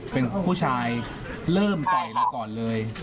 เป็นผู้ชายเริ่มไก่ละก่อนเลย